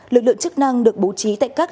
lực lượng chức năng được bố trí tại các tuyến đường